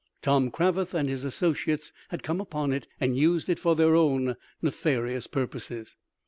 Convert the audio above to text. Tom Cravath and his associates had come upon it and used it for their own nefarious purposes.